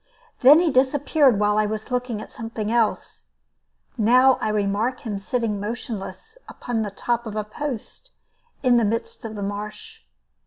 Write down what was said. Then he disappeared while I was looking at something else. Now I remark him sitting motionless upon the top of a post in the midst of the marsh.